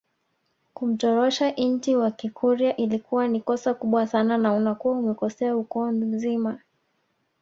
Kumtorosha inti wa kikurya ilikuwa ni kosa kubwa sana na unakuwa umekosea ukoo mzima